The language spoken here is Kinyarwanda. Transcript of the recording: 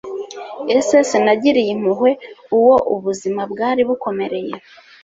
ese sinagiriye impuhwe uwo ubuzima bwari bukomereye